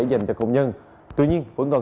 dành cho công nhân tuy nhiên vẫn còn